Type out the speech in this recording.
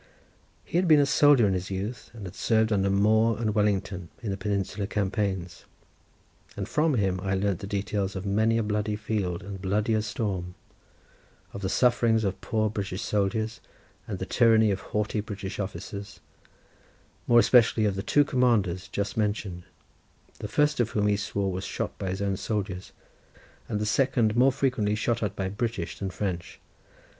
He had been a soldier in his youth, and had served under Moore and Wellington in the Peninsular campaigns, and from him I learnt the details of many a bloody field and bloodier storm, of the sufferings of poor British soldiers, and the tyranny of haughty British officers; more especially of the two commanders just mentioned, the first of whom he swore was shot by his own soldiers, and the second more frequently shot at by British than French.